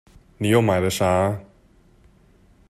你又買了啥？